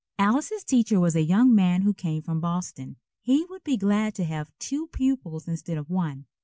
Alice's teacher was a young man who came from Boston. He would be glad to have two pupils instead of one.